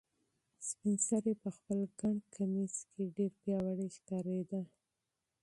سپین سرې په خپل ګڼ کمیس کې ډېره پیاوړې ښکارېده.